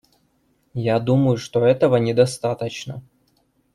Я думаю, что этого недостаточно.